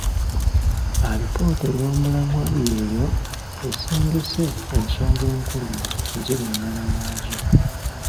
Alipoota ey'omulamwa y'eyo esengese ensonga enkulu mu nziringana yaazo.